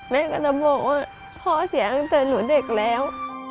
แม่ก็จะบอกว่าพ่อเสียตั้งแต่หนูเด็กแล้ว